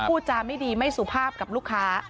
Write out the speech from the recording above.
พูดจาไม่ดีไม่สุภาพกับลูกค้า